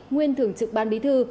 nguyên thưởng trực ban bí thư